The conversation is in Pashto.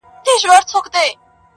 • دي مــــړ ســي.